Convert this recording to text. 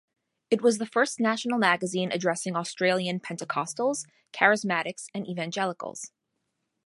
It was the first national magazine addressing Australian pentecostals, charismatics and evangelicals.